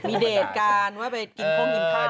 มีเดทกันว่าไปกินโค้งกินข้าว